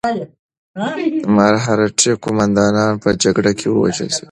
مرهټي قوماندانان په جګړه کې ووژل شول.